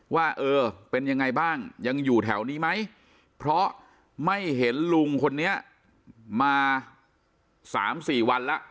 ว่าเออเป็นยังไงบ้างยังอยู่แถวนี้ไหมเพราะไม่เห็นลุงคนนี้มา๓๔วันแล้ว